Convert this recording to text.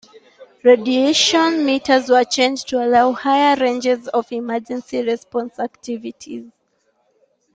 Radiation meters were changed to allow higher ranges for emergency response activities.